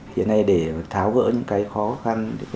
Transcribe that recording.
hiện nay để tháo gỡ những khó khăn